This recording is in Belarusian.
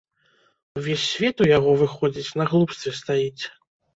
Увесь свет у яго, выходзіць, на глупстве стаіць.